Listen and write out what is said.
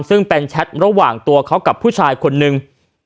ซึ่งเป็นแชทระหว่างตัวเขากับผู้ชายคนนึง